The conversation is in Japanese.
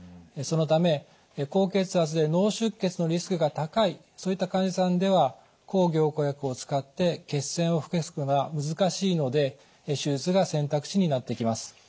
そのため高血圧で脳出血のリスクが高いそういった患者さんでは抗凝固薬を使って血栓を防ぐのが難しいので手術が選択肢になってきます。